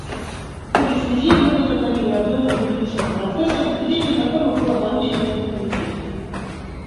В этой связи мы возобновили обзор Кимберлийского процесса, проведение которого было поручено этому комитету.